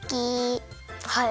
はい。